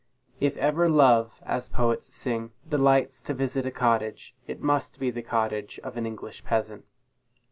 If ever Love, as poets sing, delights to visit a cottage, it must be the cottage of an English peasant.